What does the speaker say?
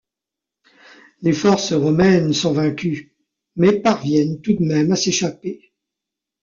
Les forces romaines sont vaincues, mais parviennent tout de même à s'échapper.